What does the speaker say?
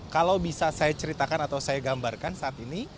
kalau bisa saya ceritakan atau saya gambarkan saat ini